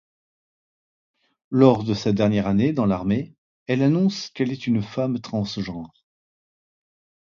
Lors de sa dernière année dans l'armée, elle annonce qu'elle est une femme transgenre.